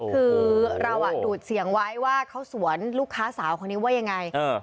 คือเราดูดเสียงไว้ว่าเขาสวนลูกค้าสาวคนนี้ว่ายังไง